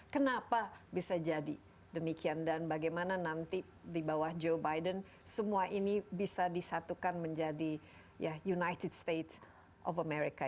kenapa bisa jadi demikian dan bagaimana nanti di bawah joe biden semua ini bisa disatukan menjadi ya united states of america